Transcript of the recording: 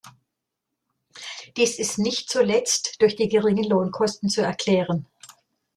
Dies ist nicht zuletzt durch die geringen Lohnkosten zu erklären.